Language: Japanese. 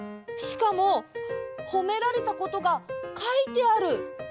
しかもほめられたことがかいてある。